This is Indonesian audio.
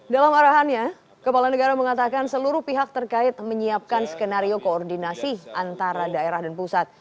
dalam arahannya kepala negara mengatakan seluruh pihak terkait menyiapkan skenario koordinasi antara daerah dan pusat